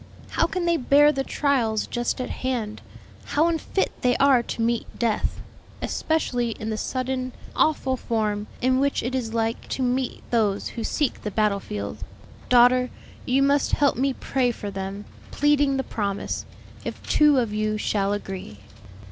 How can they bear the trials just at hand? How unfit they are to meet death, especially in the sudden, awful form in which it is like to meet those who seek the battle field. Daughter, you must help me pray for them, pleading the promise, 'If two of you shall agree.'"